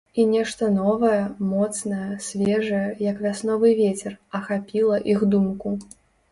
І нешта новае, моцнае, свежае, як вясновы вецер, ахапіла іх думку.